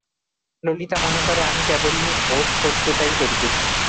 ললিতা মনে করে আমি কেবল ওর শত্রুতাই করিতেছি!